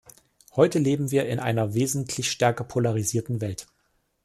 Heute leben wir in einer wesentlich stärker polarisierten Welt.